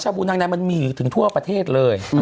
บูนางในมันมีอยู่ถึงทั่วประเทศเลย